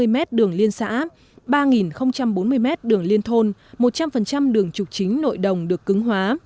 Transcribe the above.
bốn sáu trăm năm mươi m đường liên xã ba bốn mươi m đường liên thôn một trăm linh đường trục chính nội đồng được cứng hóa